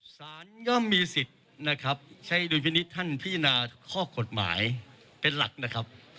ย่อมมีสิทธิ์นะครับใช้ดุลพินิษฐ์ท่านพิจารณาข้อกฎหมายเป็นหลักนะครับ